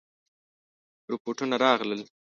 رپوټونه راغلل.